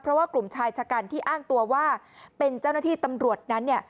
เพราะว่ากลุ่มชายชะกันที่อ้างตัวว่าเป็นเจ้าหน้าที่ตำรวจนั้นเนี่ย